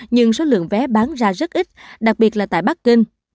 nhưng số lượng vé bán ra rất ít đặc biệt là tại bắc kinh